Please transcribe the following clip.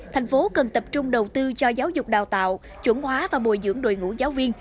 thành phố cần tập trung đầu tư cho giáo dục đào tạo chuẩn hóa và bồi dưỡng đội ngũ giáo viên